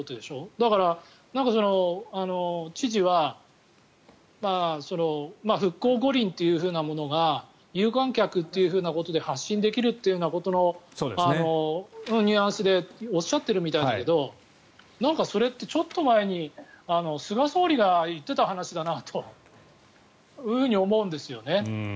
だから、知事は復興五輪というふうなものが有観客ということで発信できるということのニュアンスでおっしゃっているみたいなんだけどなんかそれってちょっと前に菅総理が言ってた話だなと思うんですね。